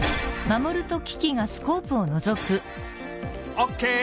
オーケー！